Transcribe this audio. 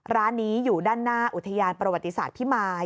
ร้านนี้อยู่ด้านหน้าอุทยานประวัติศาสตร์พิมาย